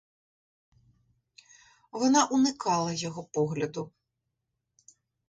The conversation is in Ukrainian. Вона уникала його погляду.